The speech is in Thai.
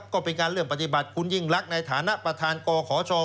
ก็เป็นการเริ่มปฏิบัติคุณยิ่งรักในฐานะประธานกขช